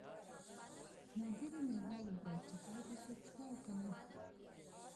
ملګري مې غږ وکړ چې هلته څوک شته او که نه